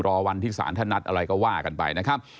รอวันที่สารท่านนัดอะไรก็ว่ากันไปนะครับ